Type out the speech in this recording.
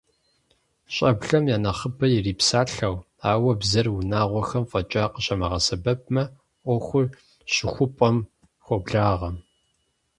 ЩӀэблэм я нэхъыбэр ирипсалъэу, ауэ бзэр унагъуэхэм фӀэкӀа къыщамыгъэсэбэпмэ, Ӏуэхур щыхупӏэм хуоблагъэ.